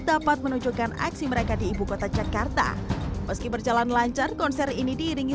dapat menunjukkan aksi mereka di ibu kota jakarta meski berjalan lancar konser ini diiringi